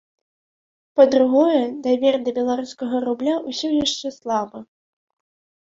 Па-другое, давер да беларускага рубля ўсё яшчэ слабы.